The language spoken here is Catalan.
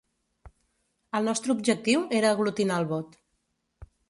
El nostre objectiu era aglutinar el vot.